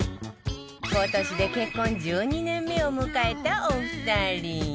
今年で結婚１２年目を迎えたお二人